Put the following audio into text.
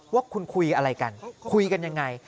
ว่าคุณคุยอะไรกันคุยกันยังไง